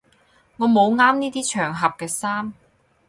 我冇啱呢啲場合嘅衫